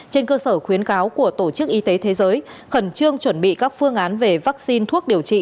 trên cơ sở khuyến cáo của tổ chức y tế thế giới khẩn trương chuẩn bị các phương án về vaccine thuốc điều trị